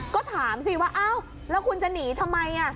ก็ถามสิว่าอ้าวแล้วคุณจะหนีทำไม